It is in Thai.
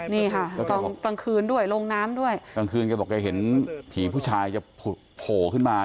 นี่ค่ะตอนตอนตอนคืนด้วยโล่งน้ำด้วยตอนคืนเค้าบอกแกจะเห็นผีผู้ชายจะโผ่ขึ้นมา